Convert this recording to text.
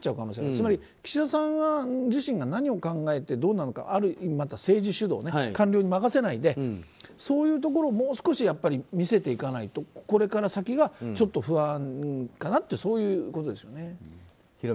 つまり、岸田さん自身が何を考えて、どうなのかある意味、政治主導ね官僚に任せないでそういうところをもう少し見せていかないとこれから先がちょっと不安かなってそういうことですよね。